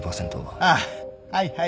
ああはいはい。